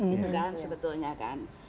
itu kan sebetulnya kan